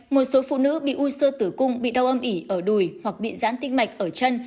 một số phụ nữ bị u sơ tử cung bị đau âm ỉ ở đùi hoặc bị giãn tinh mạch ở chân